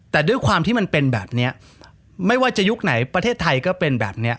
แต่ด้วยความที่มันเป็นแบบนี้ไม่ว่าจะยุคไหนประเทศไทยก็เป็นแบบนี้